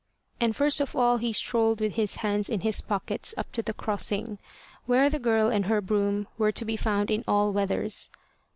And first of all he strolled with his hands in his pockets up to the crossing, where the girl and her broom were to be found in all weathers.